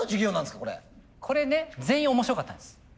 これね全員面白かったんです。